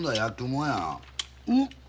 うん。